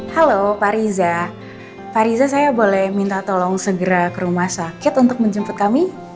halo pak riza pak riza saya boleh minta tolong segera ke rumah sakit untuk menjemput kami